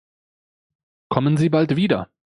Kommen Sie bald wieder!